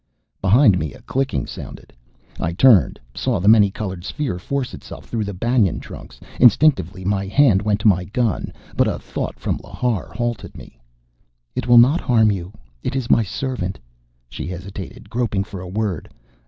Behind me a clicking sounded. I turned, saw the many colored sphere force itself through the banyan trunks. Instinctively my hand went to my gun. But a thought from Lhar halted me. "It will not harm you. It is my servant." She hesitated, groping for a word.